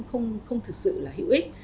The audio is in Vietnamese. không thực sự là hữu ích